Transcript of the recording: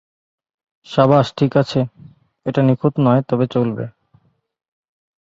সাবাশ ঠিক আছে, এটা নিখুঁত নয় তবে চলবে।